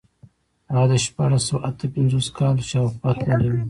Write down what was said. هغه د شپاړس سوه اته پنځوس کال شاوخوا تللی و.